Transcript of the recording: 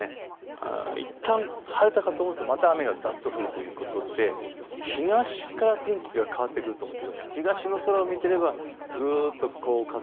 点々とした雨雲ですからいったん晴れたかと思うとまた雨がざっと降るということで東から天気が変わってくると思ってください。